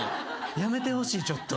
やめてほしいちょっと。